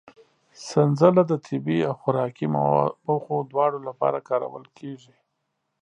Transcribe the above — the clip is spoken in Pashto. سنځله د طبي او خوراکي موخو دواړو لپاره کارول کېږي.